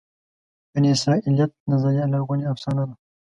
بني اسرائیلیت نظریه لرغونې افسانه ده.